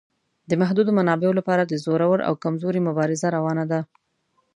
د محدودو منابعو لپاره د زورور او کمزوري مبارزه روانه ده.